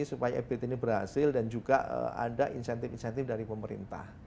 supaya ebit ini berhasil dan juga ada insentif insentif dari pemerintah